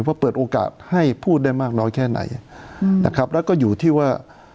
เพราะเปิดโอกาสให้พูดได้มากน้อยแค่ไหนนะครับแล้วก็อยู่ที่ว่า